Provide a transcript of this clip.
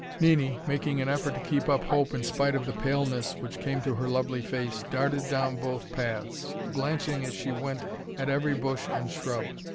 Nini, making an effort to keep up hope in spite of the paleness which came to her lovely face, darted down both paths, glancing as she went at every bush and shrub.